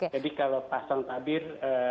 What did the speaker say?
jadi kalau pasang tabir